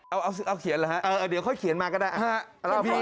เอาเขียนเหรอฮะเดี๋ยวค่อยเขียนมาก็ได้